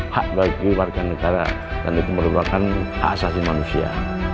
hak bagi warga negara dan itu merupakan hak asasi manusia